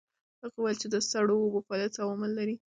هغه وویل چې د سړو اوبو فعالیت څو عوامل لري.